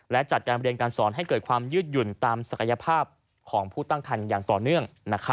และจัดการเรียนการสอนให้เกิดความยืดหยุ่นตามศักยภาพของผู้ตั้งคันอย่างต่อเนื่อง